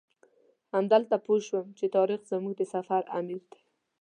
همدلته پوی شوم چې طارق زموږ د سفر امیر دی.